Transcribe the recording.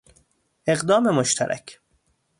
اقدام مشترک